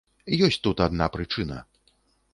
Ёсць тут адна прычына.